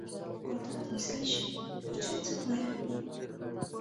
ګلداد موسکی شو: په چایو څوک مړېږي.